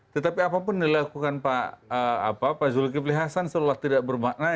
tetapi apapun dilakukan pak zulkifli hasan seolah olah tidak bermakna